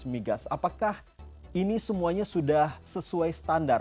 migas apakah ini semuanya sudah sesuai standar